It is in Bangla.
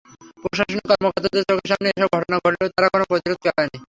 প্রশাসনের কর্মকর্তাদের চোখের সামনে এসব ঘটনা ঘটলেও তাঁরা কোনো প্রতিরোধ করেননি।